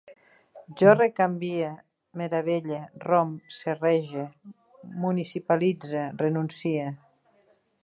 Jo recanvie, meravelle, romp, serrege, municipalitze, renuncie